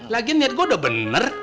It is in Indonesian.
lagian niat gua udah bener